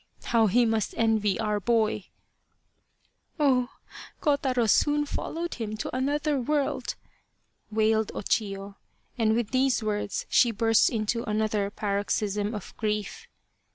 How he must envy our boy !"" Oh, Kotaro soon followed him to another world !" wailed O Chiyo, and with these words she burst into another paroxysm of grief.